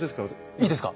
いいですか？